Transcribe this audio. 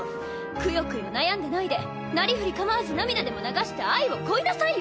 くよくよ悩んでないでなりふり構わず涙でも流して愛を乞いなさいよ！